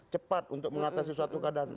cepat untuk mengatasi suatu keadaan